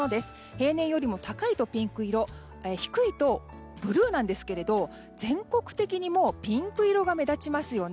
平年よりも高いとピンク色低いとブルーなんですけれど全国的にピンク色が目立ちますよね。